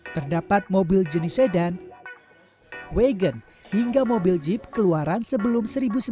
terdapat mobil jenis sedan wagon hingga mobil jeep keluaran sebelum seribu sembilan ratus sembilan puluh